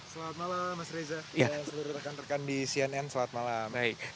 selamat malam mas reza dan seluruh rekan rekan di cnn selamat malam